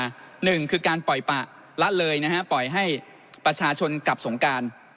หนึ่งคือการปล่อยปะละเลยนะฮะปล่อยให้ประชาชนกลับสงการ